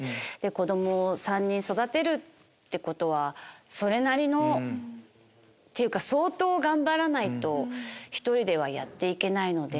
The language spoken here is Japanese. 子供を３人育てるってことはそれなりのっていうか相当頑張らないと１人ではやって行けないので。